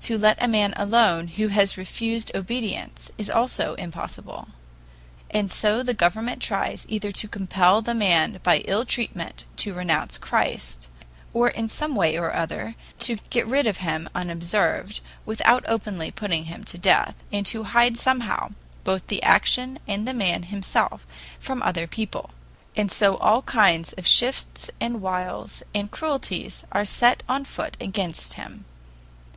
To let a man alone who has refused obedience is also impossible. And so the government tries either to compel the man by ill treatment to renounce Christ, or in some way or other to get rid of him unobserved, without openly putting him to death, and to hide somehow both the action and the man himself from other people. And so all kinds of shifts and wiles and cruelties are set on foot against him.